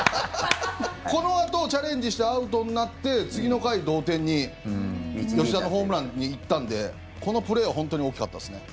このあとチャレンジしてアウトになって次の回、同点に吉田のホームランに行ったのでこのプレーは本当に大きかったですね。